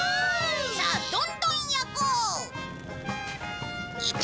さあどんどん焼こう。